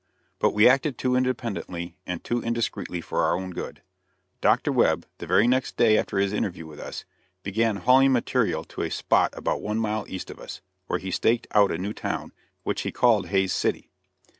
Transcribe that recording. But we acted too independently and too indiscreetly for our own good Dr. Webb, the very next day after his interview with us, began hauling material to a spot about one mile east of us, where he staked out a new town, which he called Hays City.